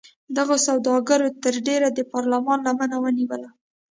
دغو سوداګرو تر ډېره د پارلمان لمن ونیوله.